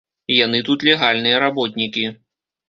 Яны тут легальныя работнікі.